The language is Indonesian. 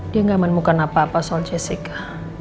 dia gak aman mukan apa apa soal jessica